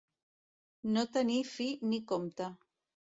No tenir fi ni compte.